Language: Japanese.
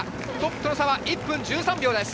トップとの差は１分１３秒です。